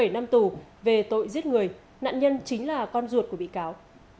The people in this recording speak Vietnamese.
một mươi bảy năm tù về tội giết người nạn nhân chính là con ruột của bị cáo